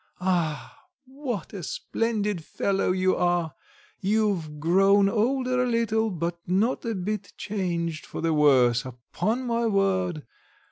"Ah! what a splendid fellow you are! You've grown older a little, but not a bit changed for the worse, upon my word!